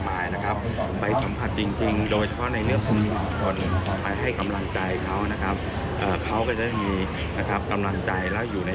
มีคนอย่างใกล้ชิด